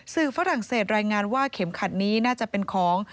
ฝรั่งเศสรายงานว่าเข็มขัดนี้น่าจะเป็นของ